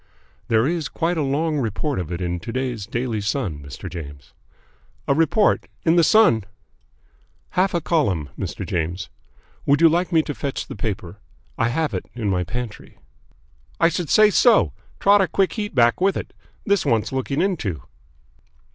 "There is quite a long report of it in to day's Daily Sun, Mr. James." "A report? In the Sun?" "Half a column, Mr. James. Would you like me to fetch the paper? I have it in my pantry." "I should say so. Trot a quick heat back with it. This wants looking into."